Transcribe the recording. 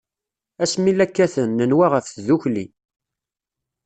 Ass mi la katen, nenwa ɣef tdukli.